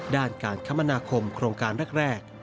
ด้านการคมนาคมโครงการแรก